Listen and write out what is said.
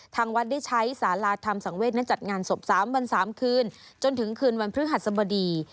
ทางวัดได้ใช้สาราธรรมสังเวทนั้นจัดงานศพ๓วัน๓คืนจนถึงคืนวันพฤหัสบดี